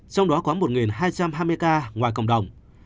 trong đó có một hai trăm hai mươi ca ngoài cộng đồng